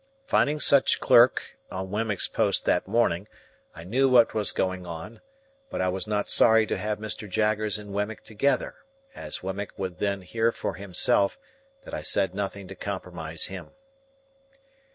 Finding such clerk on Wemmick's post that morning, I knew what was going on; but I was not sorry to have Mr. Jaggers and Wemmick together, as Wemmick would then hear for himself that I said nothing to compromise him.